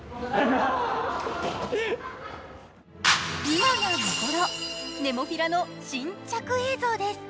今が見頃、ネモフィラの新着映像です。